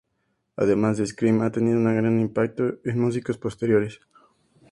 Además, "The Scream" ha tenido un gran impacto en músicos posteriores.